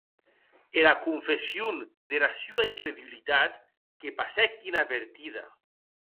Era confession dera sua incredulitat que passèc inavertida.